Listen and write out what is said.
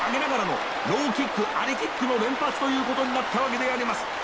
ローキックアリキックの連発ということになったわけであります。